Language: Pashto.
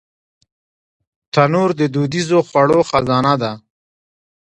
تنور د دودیزو خوړو خزانه ده